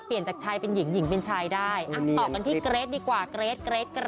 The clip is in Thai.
จากชายเป็นหญิงหญิงเป็นชายได้ต่อกันที่เกรทดีกว่าเกรดเกรท